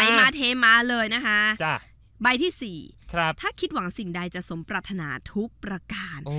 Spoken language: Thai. มาเทมาเลยนะคะใบที่๔ถ้าคิดหวังสิ่งใดจะสมปรัฐนาทุกประการ